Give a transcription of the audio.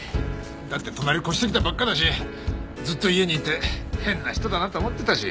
だって隣越してきたばっかだしずっと家にいて変な人だなって思ってたし。